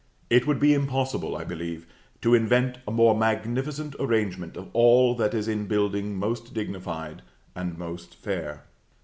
It would be impossible, I believe, to invent a more magnificent arrangement of all that is in building most dignified and most fair.